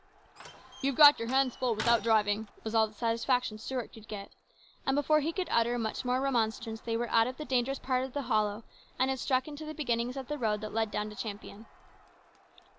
" You've got your hands full without driving," was all the satisfaction Stuart could get ; and before he could utter much more remonstrance they were out of the dangerous part of the hollow and had struck into the beginnings of the road that led down to Champion.